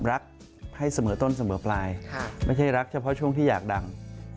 รักให้เสมอต้นเสมอปลายไม่ใช่รักเฉพาะช่วงที่อยากดัง